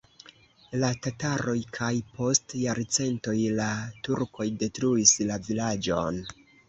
La tataroj kaj post jarcentoj la turkoj detruis la vilaĝon.